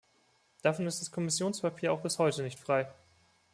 Davon ist das Kommissionspapier auch bis heute nicht frei.